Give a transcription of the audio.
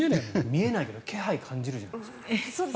見えないけど気配を感じるじゃないですか。